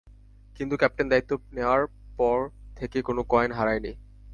কিন্তু ক্যাপ্টেন দায়িত্ব নেয়ার পর থেকে কোনো কয়েন হারায়নি।